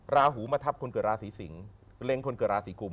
ราหูมาทับคนเกิดราศีสิงศ์เล็งคนเกิดราศีกุม